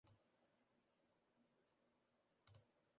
Ek dit jier biede sikehuzen wer fjurwurkbrillen oan.